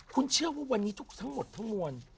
คุณเชื่อว่าวันนี้ทุกทั้งหมดทั้งมวล